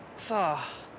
さあ。